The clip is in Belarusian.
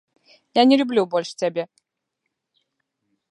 Я не люблю больш цябе!